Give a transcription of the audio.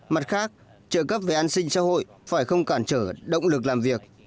mặt khác trợ cấp về an sinh xã hội phải không cản trở động lực làm việc